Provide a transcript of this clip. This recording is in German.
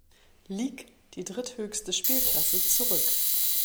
Lig, die dritthöchste Spielklasse, zurück.